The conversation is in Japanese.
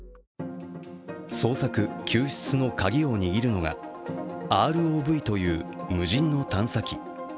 捜索・救出のカギを握のがＲＯＶという無人の探査機。